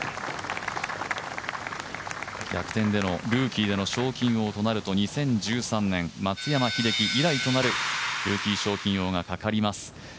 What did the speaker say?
逆転でのルーキーでの賞金王となると２０１３年、松山英樹以来となるルーキー賞金王がかかります。